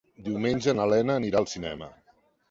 Diumenge na Lena anirà al cinema.